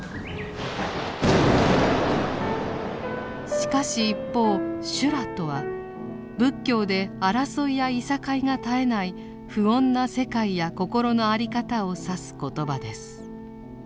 しかし一方「修羅」とは仏教で争いやいさかいが絶えない不穏な世界や心の在り方を指す言葉です。